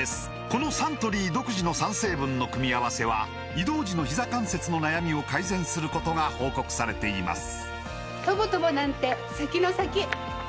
このサントリー独自の３成分の組み合わせは移動時のひざ関節の悩みを改善することが報告されています